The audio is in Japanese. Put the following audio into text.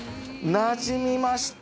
なじみました。